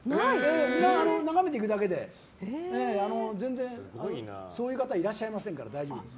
みんな眺めていくだけで全然そういう方はいらっしゃいませんから大丈夫です。